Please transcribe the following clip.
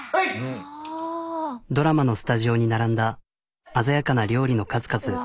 ドラマのスタジオに並んだ鮮やかな料理の数々。